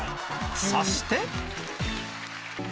そして。